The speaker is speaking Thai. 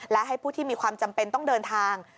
และให้ผู้ที่มีความจำเป็นต้องเดินทาง